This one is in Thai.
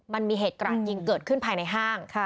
มันมีเหตุกระดยิงเกิดขึ้นภายในห้าง